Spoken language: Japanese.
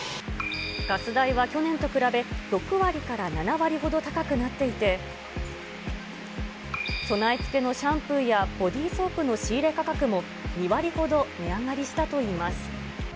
ガス代は去年と比べ、６割から７割ほど高くなっていて、備え付けのシャンプーやボディーソープの仕入れ価格も２割ほど値上がりしたといいます。